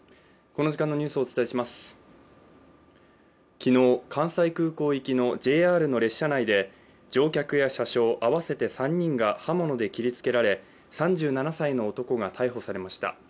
昨日、関西空港行きのＪＲの列車内で乗客や車掌、合わせて３人が刃物で切りつけられ、３７歳の男が逮捕されました。